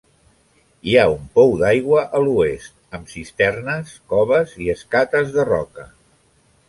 Hi ha un pou d'aigua a l'oest, amb cisternes, coves i escates de roca.